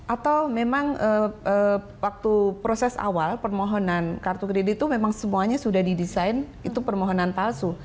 atau memang waktu proses awal permohonan kartu kredit itu memang semuanya sudah didesain itu permohonan palsu